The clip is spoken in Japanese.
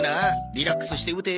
リラックスして打て。